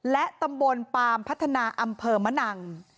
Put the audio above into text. และตำบลปามพัฒนาอำเภอมะนัง